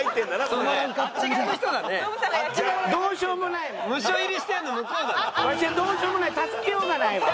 わしどうしようもないわ助けようがないわ。